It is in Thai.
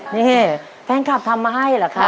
นี่แฟนคลับทำมาให้เหรอคะ